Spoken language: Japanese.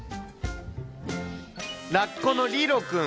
ラッコのリロくん。